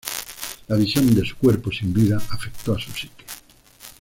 La visión de su cuerpo sin vida afectó su psique.